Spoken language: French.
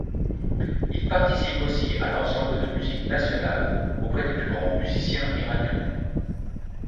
Il participe aussi à l'Ensemble de musique nationale auprès des plus grands musiciens iraniens.